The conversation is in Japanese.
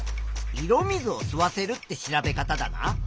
色水を吸わせるって調べ方だな。